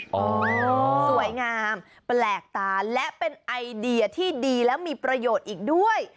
สวยงามแปลกตาและเป็นไอเดียที่ดีและมีประโยชน์อีกด้วย